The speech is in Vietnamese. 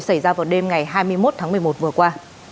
xảy ra vào đêm ngày hai mươi một tháng một mươi một vừa qua